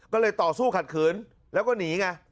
ก็เลยต่อสู้ขัดขืนแล้วก็หนีไง